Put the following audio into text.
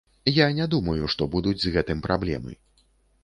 Я не думаю, што будуць з гэтым праблемы.